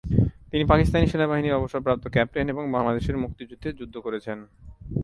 তিনি পাকিস্তান সেনাবাহিনীর অবসরপ্রাপ্ত ক্যাপ্টেন এবং বাংলাদেশের মুক্তিযুদ্ধে যুদ্ধ করেছেন।